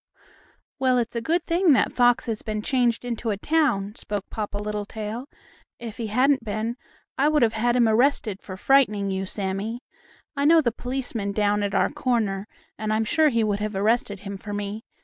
"Well, it's a good thing that fox has been changed into a town," spoke Papa Littletail. "If he hadn't been, I would have had him arrested for frightening you, Sammie. I know the policeman down at our corner, and I'm sure he would have arrested him for me.